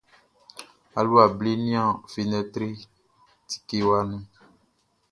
Alua ble nian fenɛtri tikewa nu.